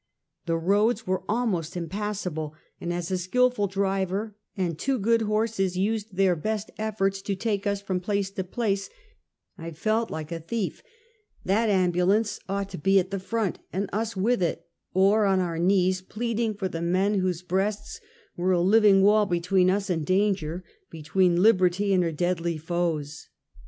The roads were almost impassable, and as a skillful driver and two good horsgs used their best efforts to take us from place to place, I felt like a thief; that ambulance ought to be at the front, and us with it, or on our knees pleading for the men wliose breasts were a living wall between us and danger, between Liberty and her deadly foes.